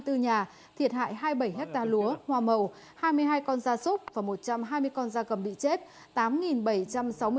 thiệt hại hai mươi bảy ha lúa hoa màu hai mươi hai con da súc và một trăm hai mươi con da cầm bị chết